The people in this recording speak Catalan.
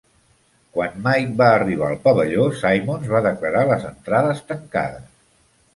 Quan Mike va arribar al pavelló, Simmons va declarar les entrades tancades.